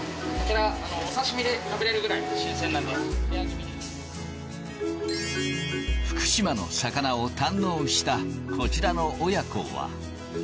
お刺身で食べれるくらい新鮮なん福島の魚を堪能したこちらの親子は。